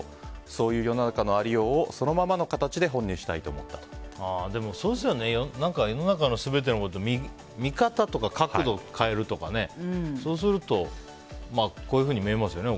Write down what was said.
そういう世の中のありようをそのままの形で世の中の全てのことって見方とか角度を変えるとかそうするとこういうふうに見えますよね。